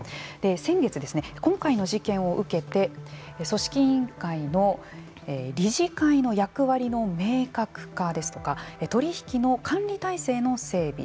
先月、今回の事件を受けて組織委員会の理事会の役割の明確化ですとか取り引きの管理体制の整備